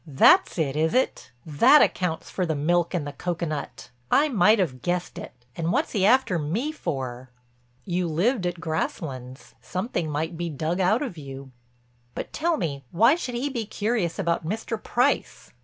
That's it, is it? That accounts for the milk in the cocoanut. I might have guessed it. And what's he after me for?" "You lived at Grasslands. Something might be dug out of you." "But tell me, why should he be curious about Mr. Price?"